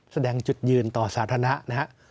แสดงจุดยืนต่อสาธารณะนะครับ